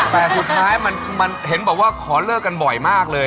แต่สุดท้ายมันเห็นบอกว่าขอเลิกกันบ่อยมากเลย